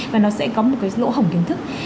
và nó sẽ có một cái lỗ hỏng kiến thức